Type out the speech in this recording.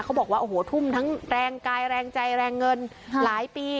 เขาบอกว่าโอ้โหทุ่มทั้งแรงกายแรงใจแรงเงินหลายปี